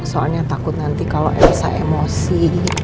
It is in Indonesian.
soalnya takut nanti kalau elsa emosi